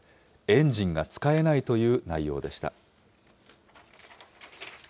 エンジンが使えないという内容でした。